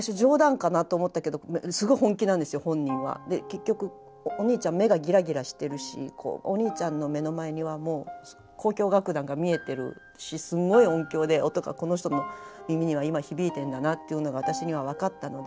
で結局お兄ちゃん目がギラギラしてるしお兄ちゃんの目の前にはもう交響楽団が見えてるしすんごい音響で音がこの人の耳には今響いてんだなというのが私には分かったので。